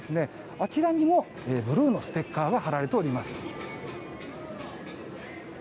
あちらにもブルーのステッカーが貼られております。